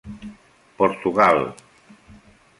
Portugal.